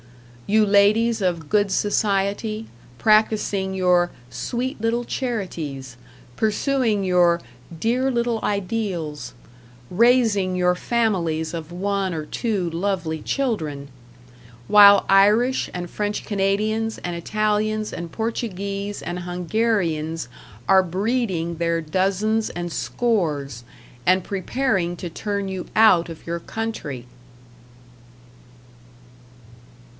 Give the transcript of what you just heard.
You ladies of Good Society, practicing your "sweet little charities," pursuing your "dear little ideals," raising your families of one or two lovely children while Irish and French Canadians and Italians and Portuguese and Hungarians are breeding their dozens and scores, and preparing to turn you out of your country!